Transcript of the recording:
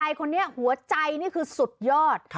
คนนี้หัวใจนี่คือสุดยอด